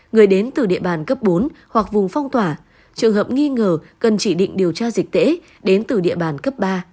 người đến từ địa bàn cấp bốn hoặc vùng phong tỏa trường hợp nghi ngờ cần chỉ định điều tra dịch tễ đến từ địa bàn cấp ba